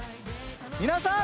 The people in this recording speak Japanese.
皆さん。